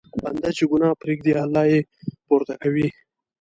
بنده چې ګناه پرېږدي، الله یې پورته کوي.